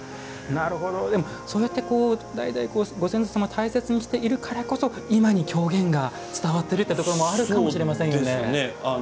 そうやって代々ご先祖様を大切にしているからこそ今に狂言が伝わってるところもあるかもしれませんね。